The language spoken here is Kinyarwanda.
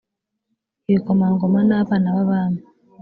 ibikomangoma nabana babami.